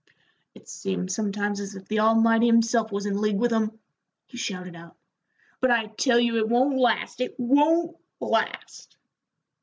"It seems sometimes as if the Almighty himself was in league with 'em," he shouted out, "but I tell you it won't last, it won't last."